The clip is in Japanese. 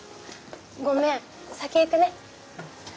ごめん先行くね。